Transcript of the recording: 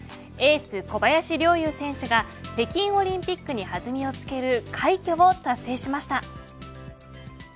エース小林陵侑選手が北京オリンピックに弾みをつける快挙を達成しました。